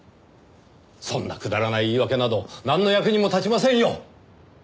そんなくだらない言い訳などなんの役にも立ちませんよ！